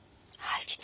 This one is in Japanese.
はい。